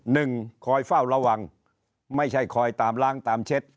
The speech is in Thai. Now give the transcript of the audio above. หนึ่งคอยเฝ้าระวังไม่ใช่คอยตามล้างตามเช็ด